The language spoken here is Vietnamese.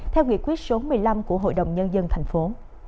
theo nghị quyết số một mươi năm của hội đồng nhân dân thành phố